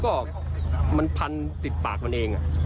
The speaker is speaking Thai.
ก็มันพันติดปากมันเอง